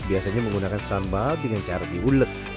biasanya menggunakan sambal dengan cara diulek